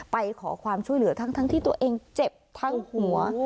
ไปขอความช่วยเหลือทั้งที่ตัวเองเจ็บทั้งหัว